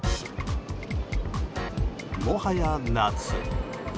もはや、夏。